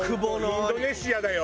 インドネシアだよ。